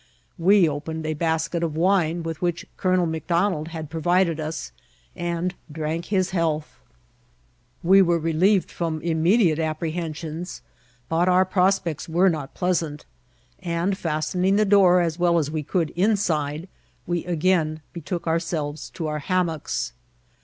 We opened a basket of wine with which Col. McDon ald had provided us, and drank his health. We were 84 INCIDBlTTt OP TRAYBIm reUeyed from immediate cqpprehensions, but our pfos pects were not pleasant ; and, fastening the door as well as we could inside, we again betook ourseWes to our hammocks.